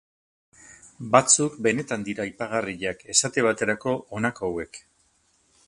Batzuk benetan dira aipagarriak, esate baterako honako hauek.